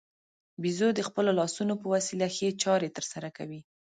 بیزو د خپلو لاسونو په وسیله ښې چارې ترسره کوي.